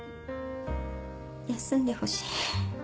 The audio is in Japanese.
休んでほしい。